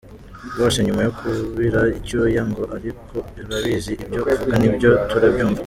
rwose, nyuma yo kubira icyuya, ngo ariko urabizi, ibyo uvuga ni byo, turabyumva.